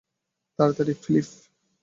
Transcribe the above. তাড়াতাড়ি, ফিলিপ।